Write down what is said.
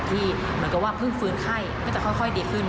เหมือนกับว่าเพิ่งฟื้นไข้ก็จะค่อยดีขึ้น